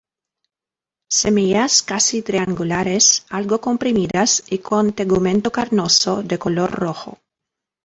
Semillas casi triangulares, algo comprimidas y con tegumento carnoso, de color rojo.